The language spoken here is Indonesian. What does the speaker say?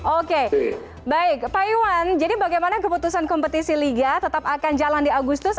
oke baik pak iwan jadi bagaimana keputusan kompetisi liga tetap akan jalan di agustus